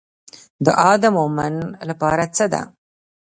دعا د مومن لپاره څه ده؟